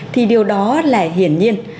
thì điều đó là hiển nhiên